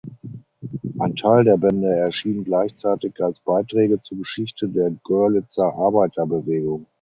Ein Teil der Bände erschien gleichzeitig als "Beiträge zur Geschichte der Görlitzer Arbeiterbewegung".